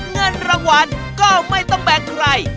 เงินรางวัลก็ไม่ต้องแบ่งใคร